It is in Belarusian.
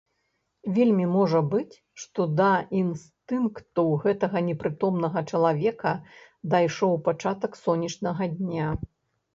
Вельмі можа быць, што да інстынкту гэтага непрытомнага чалавека дайшоў пачатак сонечнага дня.